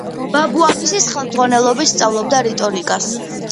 ბაბუამისის ხელმძღვანელობით სწავლობდა რიტორიკას.